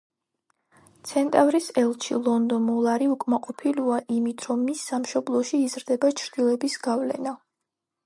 ცენტავრის ელჩი ლონდო მოლარი უკმაყოფილოა იმით რომ მის სამშობლოში იზრდება ჩრდილების გავლენა.